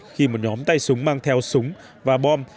khi một nhóm tay súng mang theo súng và bom